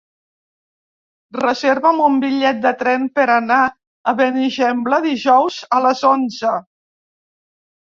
Reserva'm un bitllet de tren per anar a Benigembla dijous a les onze.